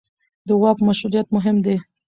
د واک مشروعیت مهم دی